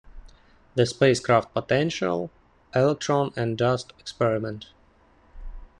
The Spacecraft Potential, Electron and Dust Experiment.